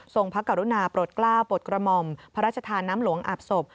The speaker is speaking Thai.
พระกรุณาโปรดกล้าวปลดกระหม่อมพระราชทานน้ำหลวงอาบศพ